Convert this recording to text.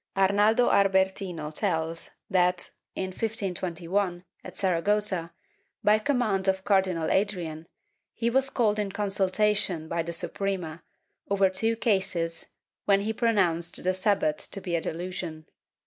Arnaldo Albertino tells that, in 1521, at Saragossa, by command of Cardinal Adrian, he was called in consultation by the Suprema, over two cases, when he pronounced the Sabbat to be a delusion.